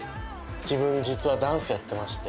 自分実はダンスやってまして。